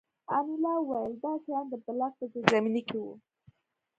انیلا وویل دا شیان د بلاک په زیرزمینۍ کې وو